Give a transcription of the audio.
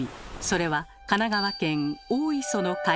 それは神奈川県大磯の海岸。